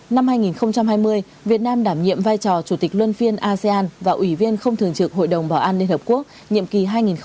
năm hai nghìn hai mươi việt nam đảm nhiệm vai trò chủ tịch luân phiên asean và ủy viên không thường trực hội đồng bảo an liên hợp quốc nhiệm kỳ hai nghìn hai mươi hai nghìn hai mươi một